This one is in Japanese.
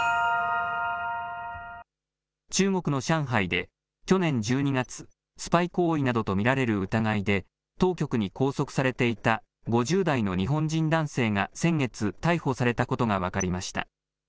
中国の上海で去年１２月、スパイ行為などと見られる疑いで当局に拘束されていた５０代の日本人男性が先月、逮捕されたことが分かりました。